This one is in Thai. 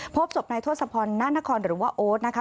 พบศพนายทศพรนานครหรือว่าโอ๊ตนะคะ